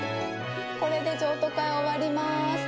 これで譲渡会終わります。